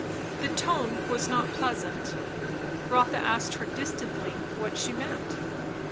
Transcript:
The tone was not pleasant. Rotha asked her distantly what she meant?